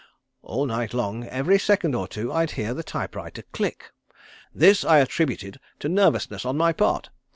All night long every second or two I'd hear the type writer click. This I attributed to nervousness on my part.